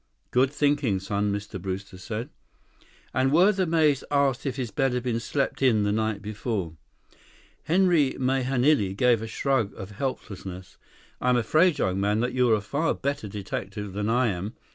"Good thinking, son," Mr. Brewster said. "And were the maids asked if his bed had been slept in the night before?" Henry Mahenili gave a shrug of helplessness. "I'm afraid, young man, that you're a far better detective than I am.